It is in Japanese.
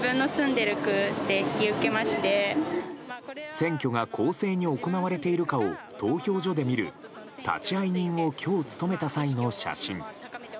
選挙が公正に行われているかを投票所で見る立会人を今日務めた際の写真。